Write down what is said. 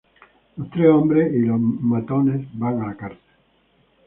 Los tres hombres y los matones van a la cárcel.